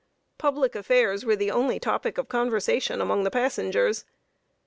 Public affairs were the only topic of conversation among the passengers.